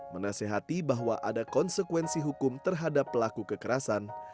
menasehati bahwa ada konsekuensi hukum terhadap pelaku kekerasan